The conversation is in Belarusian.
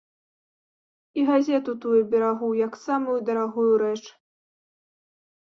І газету тую берагу, як самую дарагую рэч.